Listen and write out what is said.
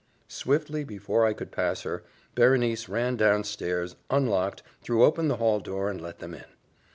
Swiftly, before I could pass her, Berenice ran down stairs, unlocked threw open the hall door, and let them in.